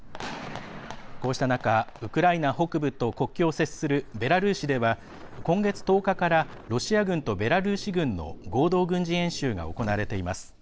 こうした中、ウクライナ北部と国境を接するベラルーシでは今月１０日からロシア軍とベラルーシ軍の合同軍事演習が行われています。